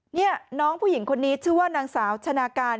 นี่น้องผู้หญิงคนนี้ชื่อว่านางสาวชนะการ